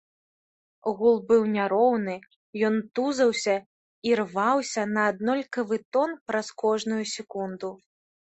Гул быў няроўны, ён тузаўся і рваўся на аднолькавы тон праз кожную секунду.